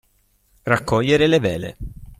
Raccogliere le vele.